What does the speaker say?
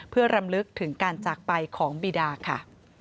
เพื่อรำลึกถึงการจากไปของบีดาค่ะ